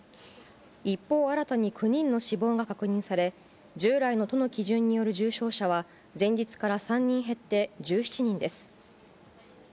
一方、新たに９人の死亡が確認され、従来の都の基準による重症者は、前日から３人減って１７人です。